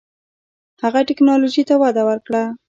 هغه ټیکنالوژۍ ته وده ورکړه.